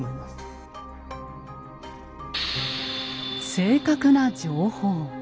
正確な情報。